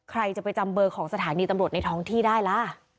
ใครจะไปจำเบอร์ของสถานีตำรวจในท้องที่ได้ล่ะ